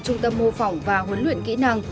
trung tâm mô phỏng và huấn luyện kỹ năng